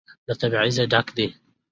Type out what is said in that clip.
له تبعيضه ډک دى.